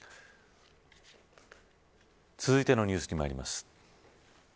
続いてのニュースにまいります。